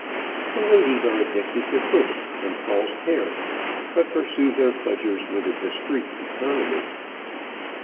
The ladies are addicted to whist and false hair, but pursue their pleasures with a discreet economy.